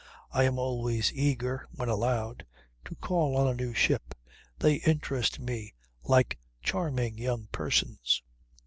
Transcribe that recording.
I am always eager, when allowed, to call on a new ship. They interest me like charming young persons.